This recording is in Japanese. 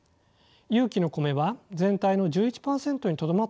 有機の米は全体の１１％にとどまっています。